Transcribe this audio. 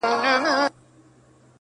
د ورور په وینو پړسېدلي پیدا نه سمیږو -